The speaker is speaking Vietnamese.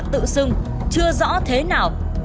tự xưng chưa rõ thế nào